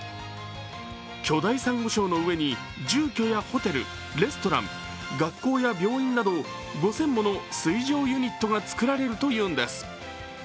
巨大さんご礁の上に住居やホテル、レストラン、学校や病院など５０００もの水上ユニットが作られるというんです。